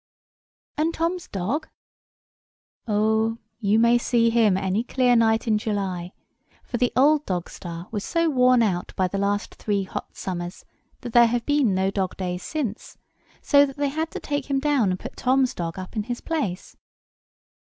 "And Tom's dog?" Oh, you may see him any clear night in July; for the old dog star was so worn out by the last three hot summers that there have been no dog days since; so that they had to take him down and put Tom's dog up in his place.